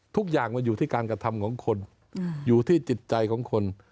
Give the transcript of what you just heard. ทุกอย่างมันอยู่ที่การกระทำของคนอยู่ที่จิตใจของคน